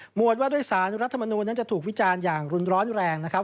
หมดว่าด้วยสารรัฐมนูลนั้นจะถูกวิจารณ์อย่างรุนแรงนะครับ